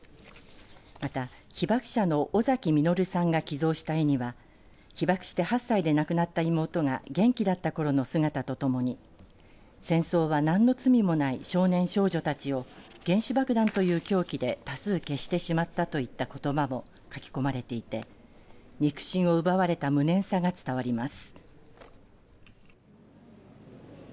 また被爆者の尾崎稔さんが寄贈した絵には被爆して８歳で亡くなった妹が元気だったころの姿とともに戦争は何の罪もない少年少女たちを原子爆弾という凶器で多数消してしまったといったことばも書き込まれていて肉親を奪われた無念さが伝わります。